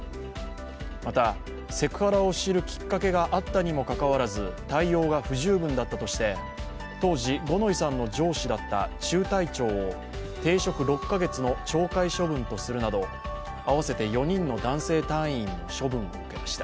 また、セクハラを知るきっかけがあったにもかかわらず、対応が不十分だったとして当時五ノ井さんの上司だった中隊長を停職６か月の懲戒処分とするなど合わせて４人の男性隊員も処分を受けました。